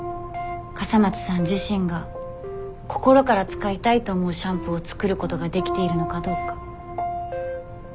笠松さん自身が心から使いたいと思うシャンプーを作ることができているのかどうか。